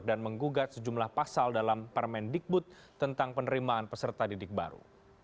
dan menggugat sejumlah pasal dalam parmen dikbut tentang penerimaan peserta didik baru